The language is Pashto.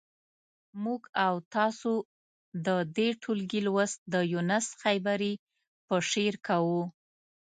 موږ او تاسو د دې ټولګي لوست د یونس خیبري په شعر کوو.